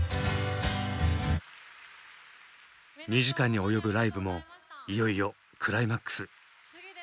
２時間に及ぶライブもいよいよクライマックス。